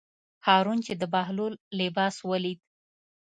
هارون چې د بهلول لباس ولید.